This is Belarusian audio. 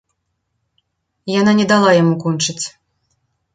Яна не дала яму кончыць.